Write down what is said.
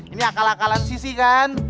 ini akal akalan sisi kan